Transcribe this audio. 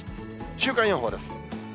週間予報です。